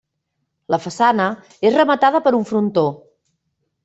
La façana és rematada per un frontó.